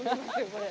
これ。